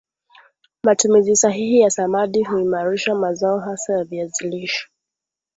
matumizi sahihi ya samadi huimarisha mazao hasa ya viazi lishe